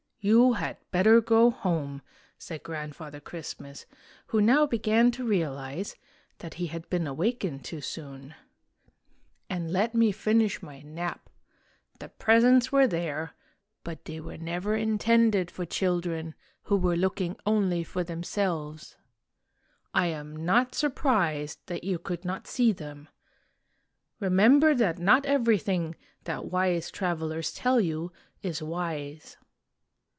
"You had better go home," said Grandfather Christmas, who now began to realize that he had been awakened too soon, " and let me finish my nap. The presents were there, but they were never intended for children who were looking only for themselves. I am not surprised that you could not see them. Remember that not everything that wise travelers tell you is wise."